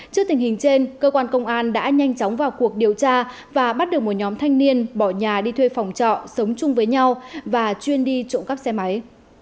trước tình hình trên cơ quan công an đã nhanh chóng vào cuộc điều tra và bắt được một nhóm thanh niên bỏ nhà đi thuê phòng trọ sống chung với nhau và chuyên đi trộm cắp xe máy